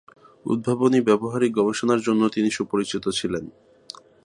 উদ্ভাবনী ব্যবহারিক গবেষণার জন্য তিনি সুপরিচিত ছিলেন।